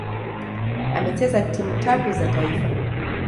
Amecheza timu tatu za taifa